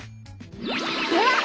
では！